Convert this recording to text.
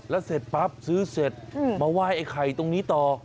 แล้วเสร็จปั๊บซื้อเสร็จมาไหว้ไอ้ไข่ตรงนี้ต่อ